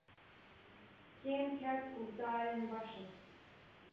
Kêm kes guhdarên baş in.